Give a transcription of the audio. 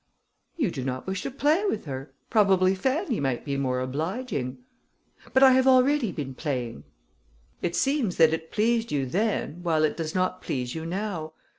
"You do not wish to play with her; probably Fanny might be more obliging...." "But I have already been playing." "It seems that it pleased you then, while it does not please you now.